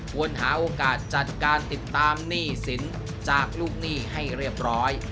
ควรหาโอกาสจัดการติดตามหนี้สินจากลูกหนี้ให้เรียบร้อย